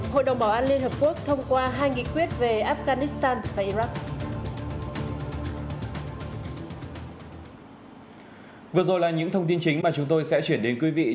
hội đồng bảo an liên hợp quốc thông qua hai nghị quyết về afghanistan và iraq